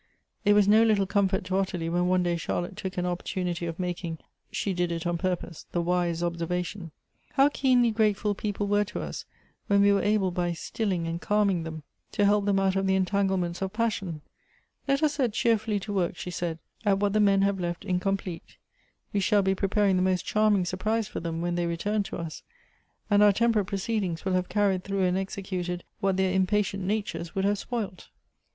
It was no little comfort to Ottilie when one day Char lotte took an opportunity of making (she did it on pur pose) the wise observation, " How keenly grateful people'H were to us when we were able by stilling and calming'H them to help them out of the entanglements of passion !^ Let us set cheerfully to work," she said, " at what the men have left incomplete : we shall be preparing the most charming surprise for them when they return to us, and our teni'Derate proceedings will have carried through and executed what their impatient natures would have spoilt."